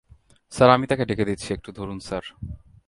Sir, আমি তাকে ডেকে দিচ্ছি, একটু ধরুন স্যার।